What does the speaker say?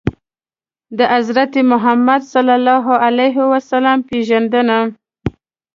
د حضرت محمد ﷺ پېژندنه